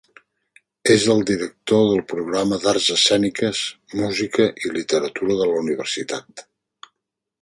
És el director del programa d'Arts Escèniques, Música i Literatura de la universitat.